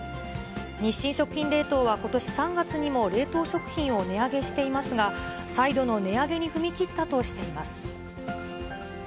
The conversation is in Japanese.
日清食品冷凍はことし３月にも冷凍食品を値上げしていますが、再度の値上げに踏み切ったとしています。